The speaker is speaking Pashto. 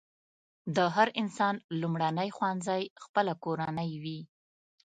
د هر انسان لومړنی ښوونځی خپله کورنۍ وي.